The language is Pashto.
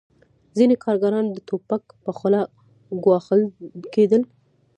ځینې کارګران به د ټوپک په خوله ګواښل کېدل